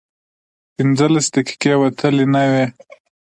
پينځلس دقيقې وتلې نه وې.